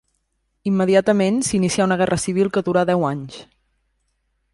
Immediatament s'inicià una guerra civil que durà deu anys.